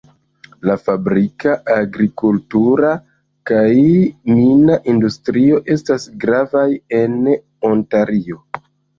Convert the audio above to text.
La fabrika, agrikultura kaj mina industrioj estas gravaj en Ontario.